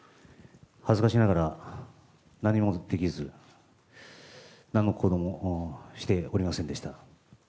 恥ずかしながら何もできず、なんの行動もしておりませんでした。